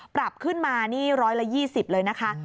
ปรับขึ้นมานี่๑๒๐เลยนะคะ